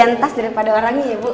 gedean tas daripada orangnya ya bu